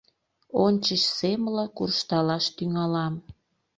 Ончычсемла куржталаш тӱҥалам!